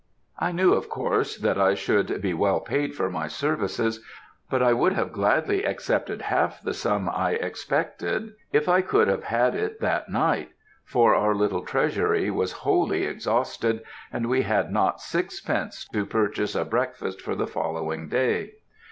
"I knew, of course, that I should be well paid for my services, but I would have gladly accepted half the sum I expected if I could have had it that night, for our little treasury was wholly exhausted, and we had not sixpence to purchase a breakfast for the following day.